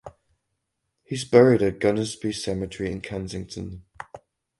He is buried at Gunnersbury Cemetery in Kensington.